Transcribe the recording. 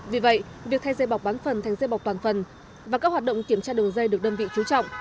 vì vậy việc thay dây bọc bán phần thành dây bọc toàn phần và các hoạt động kiểm tra đường dây được đơn vị chú trọng